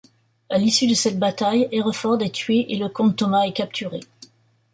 À l'issue de cette bataille, Hereford est tué et le comte Thomas est capturé.